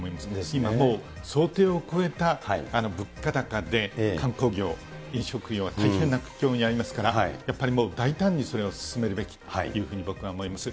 今もう想定を超えた物価高で、観光業、飲食業は大変な苦境にありますから、やっぱりもう、大胆にそれを進めるべきというふうに僕は思います。